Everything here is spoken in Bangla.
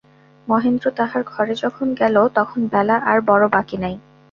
মহেন্দ্র তাঁহার ঘরে যখন গেল, তখন বেলা আর বড়ো বাকি নাই।